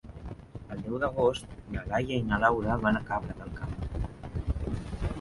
El deu d'agost na Laia i na Laura van a Cabra del Camp.